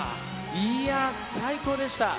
いやー、最高でした。